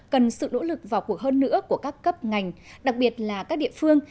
cần sự nỗ lực vào cuộc hơn nữa của các cấp ngành đặc biệt là các địa phương